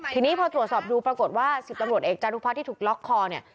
ทีนี้พอตรวจสอบดูปรากฏว่า๑๐ตำรวจเอกจารุพัฒน์ที่ถูกล็อกคอเนี่ย